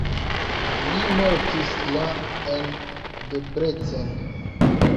Li mortis la en Debrecen.